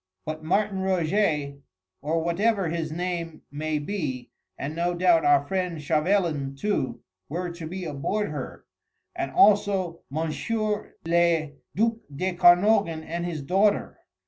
But Martin Roget, or whatever his name may be, and no doubt our friend Chauvelin too, were to be aboard her, and also M. le duc de Kernogan and his daughter.